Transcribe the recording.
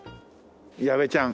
矢部ちゃん。